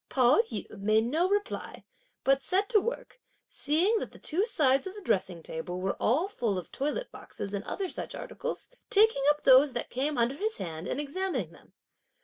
Pao yü made no reply; but set to work, seeing that the two sides of the dressing table were all full of toilet boxes and other such articles, taking up those that came under his hand and examining them.